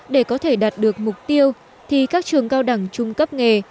để có thể đạt được mục tiêu thì các trường cao đẳng trung cấp nghề